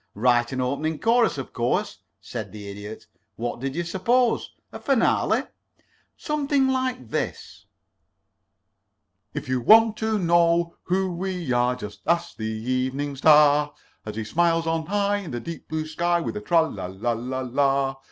"Write an opening chorus, of course," said the Idiot. "What did you suppose? A finale? Something like this: "If you want to know who we are, Just ask the Evening Star, As he smiles on high In the deep blue sky, With his tralala la la la.